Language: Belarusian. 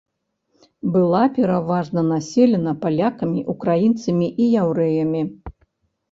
Была пераважна населена палякамі, украінцамі і яўрэямі.